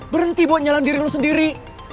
berhenti buat nyalah diri lo sendiri